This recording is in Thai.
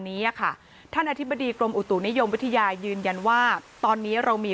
นี้ค่ะท่านอธิบดีกรมอุตุนิยมวิทยายืนยันว่าตอนนี้เรามี